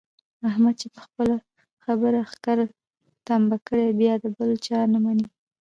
احمد چې په خپله خبره ښکر تمبه کړي بیا د بل چا نه مني.